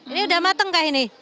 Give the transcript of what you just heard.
ini udah matang kah ini